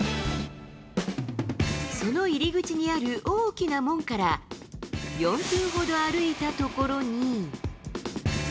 その入り口にある大きな門から、４分ほど歩いた所に。